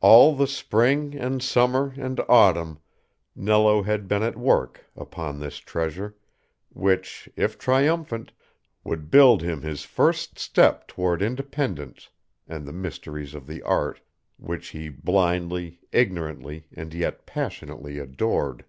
All the spring and summer and autumn Nello had been at work upon this treasure, which, if triumphant, would build him his first step toward independence and the mysteries of the art which he blindly, ignorantly, and yet passionately adored.